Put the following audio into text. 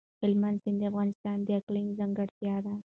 هلمند سیند د افغانستان د اقلیم ځانګړتیا ده.